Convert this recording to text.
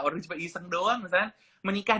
orang iseng doang misalnya menikah